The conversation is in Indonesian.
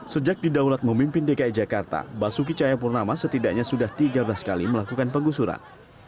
sejak didaulat memimpin dki jakarta basuki cahayapurnama setidaknya sudah tiga belas kali melakukan penggusuran